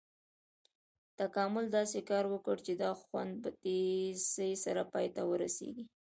تکامل داسې کار وکړ چې دا خوند په تیزي سره پای ته ورسېږي.